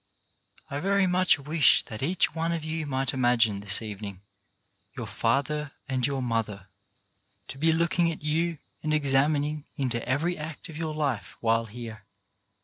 I very much wish that each one of you might imagine, this evening, your father and your mother to be look ing at you and examining into every act of your life while here.